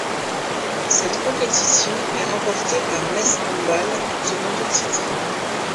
Cette compétition est remporté par Metz Handball, tenant du titre.